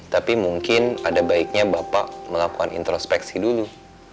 tapi mungkin ada baiknya bapak melakukan introspeksi dulu